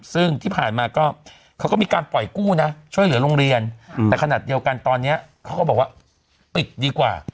ซึ่งที่ผ่านมาก็เขาก็มีการปล่อยกู้นะช่วยเหลือโรงเรียนแต่ขนาดเดียวกันตอนนี้เขาก็บอกว่าปิดดีกว่า